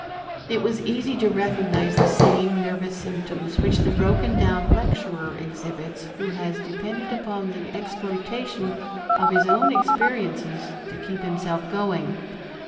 It was easy to recognize the same nervous symptoms which the broken down lecturer exhibits who has depended upon the exploitation of his own experiences to keep himself going.